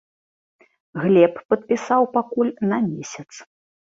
Глеб падпісаў пакуль на месяц.